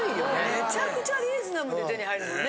めちゃくちゃリーズナブルで手に入るもんね